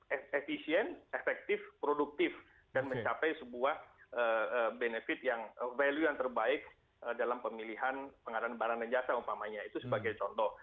efisien efektif produktif dan mencapai sebuah benefit yang value yang terbaik dalam pemilihan pengadaan barang dan jasa umpamanya itu sebagai contoh